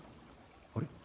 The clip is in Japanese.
あれ？